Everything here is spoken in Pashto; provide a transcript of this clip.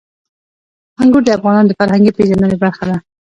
انګور د افغانانو د فرهنګي پیژندنې برخه ده.